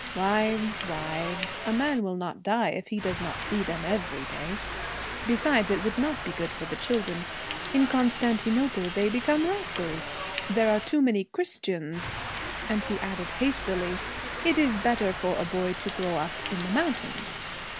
'Wives, wives a man will not die if he does not see them every day! Besides, it would not be good for the children. In Constantinople they become rascals. There are too many Christians.' And he added hastily, 'It is better for a boy to grow up in the mountains.'